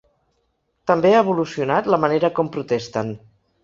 També ha evolucionat la manera com protesten.